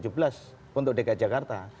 pdi perjuangan ini mencalonkan